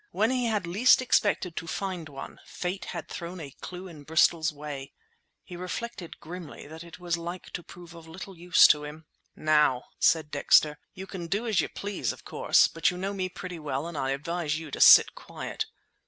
When he had least expected to find one, Fate had thrown a clue in Bristol's way. He reflected grimly that it was like to prove of little use to him. "Now," said Dexter, "you can do as you please, of course, but you know me pretty well and I advise you to sit quiet."